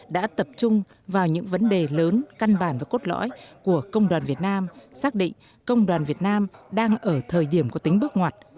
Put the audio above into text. đã tập trung vào những vấn đề lớn căn bản và cốt lõi của công đoàn việt nam xác định công đoàn việt nam đang ở thời điểm có tính bước ngoặt